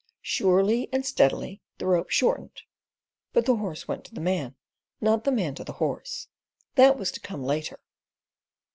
Surely and steadily the rope shortened (but the horse went to the man not the man to the horse; that was to come later).